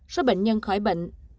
số bệnh nhân khỏi bệnh